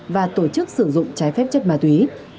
và tổ chức sử dụng trái phép chất ma túy